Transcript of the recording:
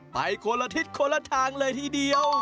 ไปคนละทิศคนละทางเลยทีเดียว